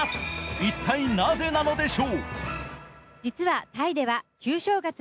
一体なぜなんでしょう。